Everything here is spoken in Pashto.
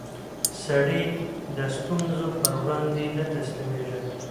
سړی د ستونزو پر وړاندې نه تسلیمېږي